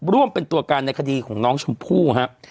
ร่วมเป็นตัวการในคดีของน้องชมพู่ครับ